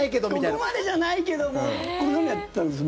ここまでじゃないけどもこうやってたんです。